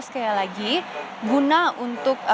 sekali lagi guna untuk